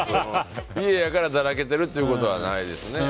家やからだらけてるっていうことはないですね。